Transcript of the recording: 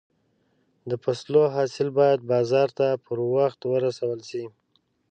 د فصلو حاصل باید بازار ته پر وخت ورسول شي.